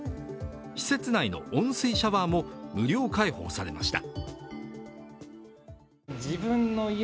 施設内の温水シャワーも無料開放されました。